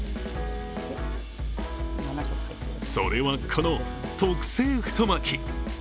それは、この特製太巻き。